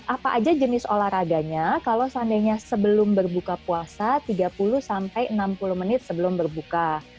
apa aja jenis olahraganya kalau seandainya sebelum berbuka puasa tiga puluh sampai enam puluh menit sebelum berbuka